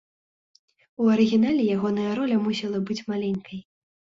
У арыгінале ягоная роля мусіла быць маленькай.